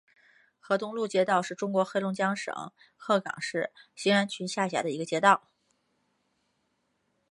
河东路街道是中国黑龙江省鹤岗市兴安区下辖的一个街道。